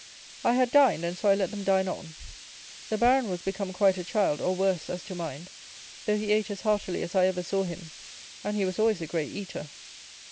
I had dined, and so I let them dine on. The Baron was become quite a child, or worse, as to mind, though he ate as heartily as I ever saw him, and he was always a great eater.